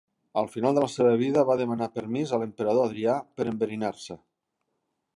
Al final de la seva vida va demanar permís a l'emperador Adrià per enverinar-se.